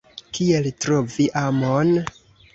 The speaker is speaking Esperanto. Kiel trovi amon?